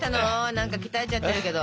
何か鍛えちゃってるけど。